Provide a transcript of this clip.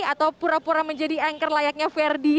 atau pura pura menjadi anchor layaknya verdi